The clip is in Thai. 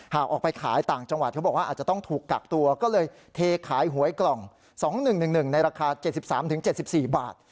หากออกไปขายต่างจังหวัดเขาบอกว่าอาจจะต้องถูกกักตัวก็เลยเทขายหวยกล่องสองหนึ่งหนึ่งหนึ่งในราคาเจ็ดสิบสามถึงเจ็ดสิบสี่บาท